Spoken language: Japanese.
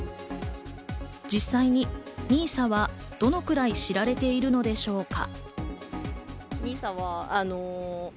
実際にＮＩＳＡはどのくらい知られているのでしょうか。